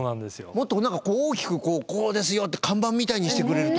もっと何かこう大きくこうですよって看板みたいにしてくれると。